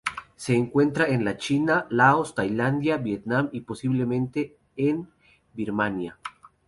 Se encuentra en la China, Laos, Tailandia, Vietnam y, posiblemente en Birmania.